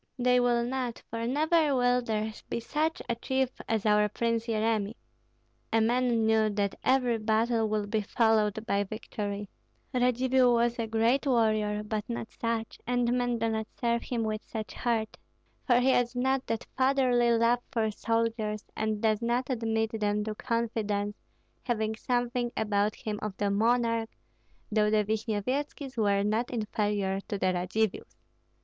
They will not, for never will there be such a chief as our Prince Yeremi. A man knew that every battle would be followed by victory. Radzivill was a great warrior, but not such, and men do not serve him with such heart, for he has not that fatherly love for soldiers, and does not admit them to confidence, having something about him of the monarch, though the Vishnyevetskis were not inferior to the Radzivills."